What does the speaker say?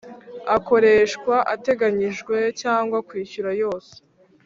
akoreshwa ateganyijwe cyangwa kwishyura yose